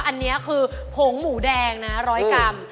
อันนี้คือผงหมูแดงนะ๑๐๐กรัม